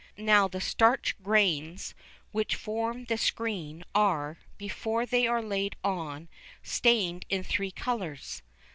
Now the starch grains which form the screen are, before they are laid on, stained in three colours.